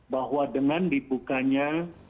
bahwa dengan dibukanya